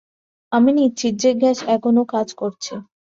আমি নিশ্চিত যে গ্যাস এখনও কাজ করছে।